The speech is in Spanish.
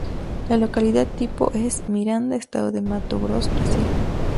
La localidad tipo es: Miranda, Estado de Mato Grosso, Brasil.